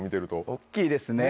大きいですね。